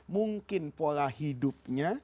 mungkin pola hidupnya